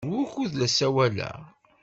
Wukud la ssawaleɣ?